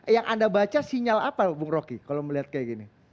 yang anda baca sinyal apa bung roky kalau melihat kayak gini